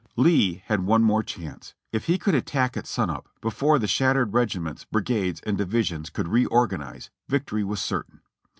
Lee had one more chance ; if he could attack at sun up, before the shattered regiments, brigades and divisions could reorganize, victory was certain.